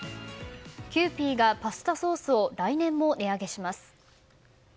キユーピーがパスタソースを来年も値上げします。